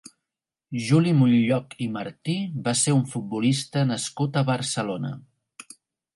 Juli Munlloch i Martí va ser un futbolista nascut a Barcelona.